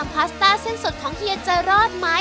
มาเจอป๊าป๊าต้องพูดช้าเพราะป๊าป๊าฟังเร็วไม่ได้